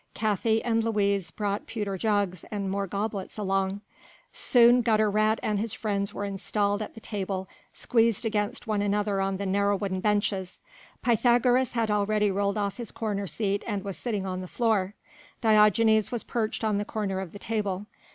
Käthi and Luise brought pewter jugs and more goblets along. Soon Gutter rat and his friends were installed at the table, squeezed against one another on the narrow wooden benches. Pythagoras had already rolled off his corner seat and was sitting on the floor; Diogenes was perched on the corner of the table.